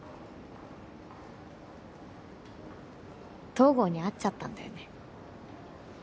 東郷に会っちゃったんだよね